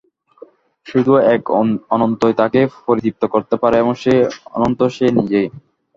শুধু এক অনন্তই তাকে পরিতৃপ্ত করতে পারে, এবং সেই অনন্ত সে নিজেই।